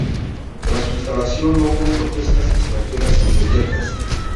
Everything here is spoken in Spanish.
Tras su instalación no hubo protestas extranjeras inmediatas.